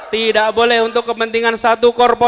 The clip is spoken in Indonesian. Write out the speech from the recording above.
tidak boleh untuk kepentingan satu korpo